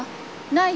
ない！